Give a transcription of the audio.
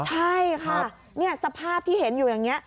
ใช่ค่ะสภาพที่เห็นอยู่อย่างนี้